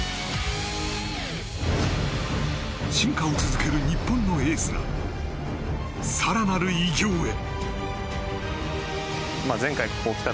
進化を続ける日本のエースが更なる偉業へ。